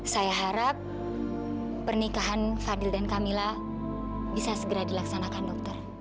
saya harap pernikahan fadil dan kamila bisa dilaksanakan dokter